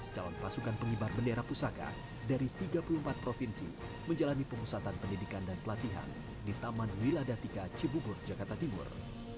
calon pasukan pengibar bendera pusaka dari tiga puluh empat provinsi menjalani pemusatan pendidikan dan pelatihan di taman wiladatika cibubur jakarta timur